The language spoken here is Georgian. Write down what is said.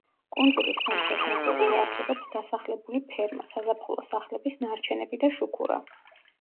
კუნძულის სამხრეთ ნაწილში არსებობს დასახლებული ფერმა, საზაფხულო სახლების ნარჩენები და შუქურა.